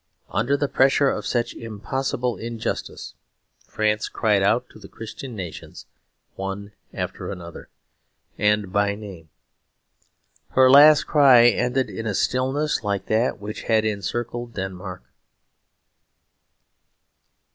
Under the pressure of such impossible injustice France cried out to the Christian nations, one after another, and by name. Her last cry ended in a stillness like that which had encircled Denmark.